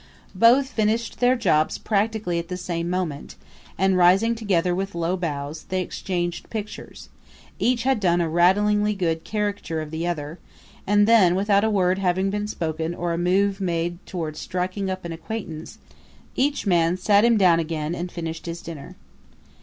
Both finished their jobs practically at the same moment; and, rising together with low bows, they exchanged pictures each had done a rattling good caricature of the other and then, without a word having been spoken or a move made toward striking up an acquaintance, each man sat him down again and finished his dinner.